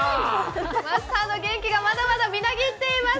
マスターの元気がまだまだみなぎっています。